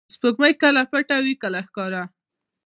• سپوږمۍ کله پټه وي، کله ښکاره.